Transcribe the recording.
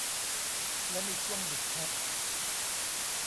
และมีช่วงหยุดพัก